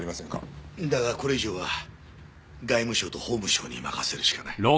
だがこれ以上は外務省と法務省に任せるしかない。